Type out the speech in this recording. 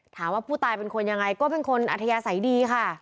ถามว่าผู้ตายเป็นคนยังไงก็เป็นคนอัธยาศัยดีค่ะ